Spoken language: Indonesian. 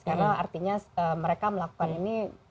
karena artinya mereka melakukan ini